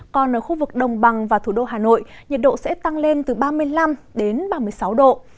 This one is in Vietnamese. còn ở khu vực đồng bằng và thủ đô hà nội nhiệt độ sẽ tăng lên từ ba mươi năm đến ba mươi sáu độ